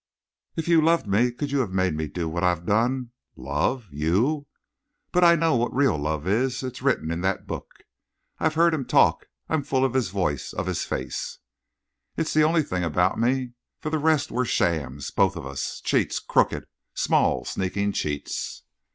"If you loved me could you have made me do what I've done? Love? You? But I know what real love is. It's written into that book. I've heard him talk. I'm full of his voice, of his face. "It's the only fine thing about me. For the rest, we're shams, both of us cheats crooked small, sneaking cheats!"